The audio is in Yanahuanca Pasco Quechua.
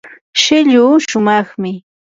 shilluu shumaqmi.